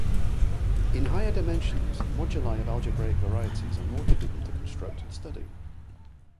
In higher dimensions, moduli of algebraic varieties are more difficult to construct and study.